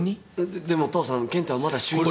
ででも父さん健太はまだ就任。